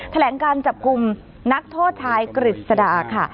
แถลงการจับกลุ่มนักโทษชายกฤษดาค่ะ